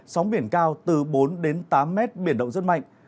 sóng biển cao từ bốn đến tám mét biển động rất mạnh